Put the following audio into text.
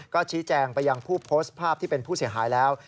ก็ชี้แจงไปยังผู้โพสต์ภาพที่เป็นผู้เสียหายแล้ว